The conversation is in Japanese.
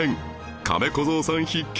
カメ小僧さん必見！